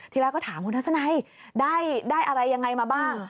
แรกก็ถามคุณทัศนัยได้อะไรยังไงมาบ้าง